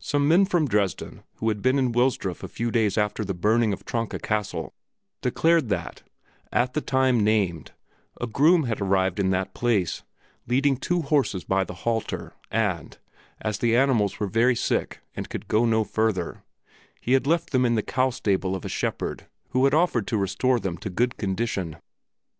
Some men from Dresden, who had been in Wilsdruf a few days after the burning of Tronka Castle, declared that, at the time named, a groom had arrived in that place, leading two horses by the halter, and, as the animals were very sick and could go no further, he had left them in the cow stable of a shepherd who had offered to restore them to good condition.